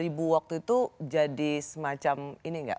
ribu waktu itu jadi semacam ini gak